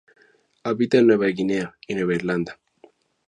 Habita en Nueva Guinea y Nueva Irlanda.